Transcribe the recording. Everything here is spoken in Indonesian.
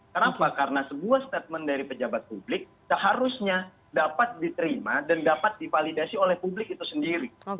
kenapa karena sebuah statement dari pejabat publik seharusnya dapat diterima dan dapat divalidasi oleh publik itu sendiri